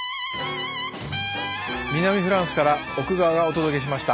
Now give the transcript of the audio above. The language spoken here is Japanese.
南フランスから奥川がお届けしました。